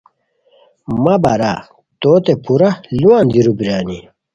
مہ بارا توتے پورا ُ لووان دیرو بیرانی